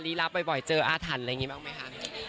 รีลาบบ่อยเจออาทันอะไรอย่างนี้บ้างไหมค่ะ